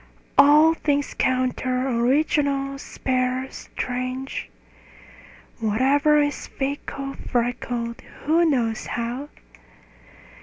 All things counter, original, spare, strange; Whatever is fickle, freckled (who knows how?)